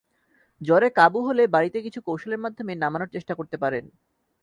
জ্বরে কাবু হলে বাড়িতে কিছু কৌশলের মাধ্যমে নামানোর চেষ্টা করতে পারেন।